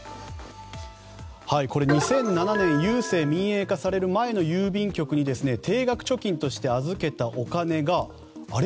これ、２００７年郵政民営化される前の郵便局に定額貯金として預けたお金があれ？